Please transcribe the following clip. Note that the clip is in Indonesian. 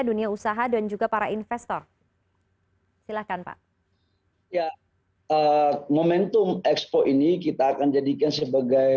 dunia usaha dan juga para investor silakan pak ya momentum expo ini kita akan jadikan sebagai